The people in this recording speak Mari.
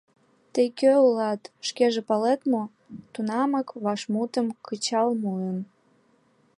— Тый кӧ улат, шкеже палет мо? — тунамак вашмутым кычал муын.